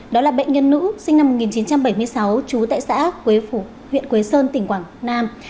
đó là bệnh nhân nữ sinh năm một nghìn chín trăm bảy mươi sáu trú tại xã quế phủ huyện quế sơn tỉnh quảng nam